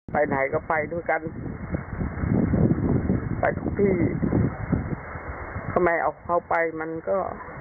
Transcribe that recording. ไปไหนก็ไปด้วยกันไปทุกที่ทำไมเอาเขาไปมันก็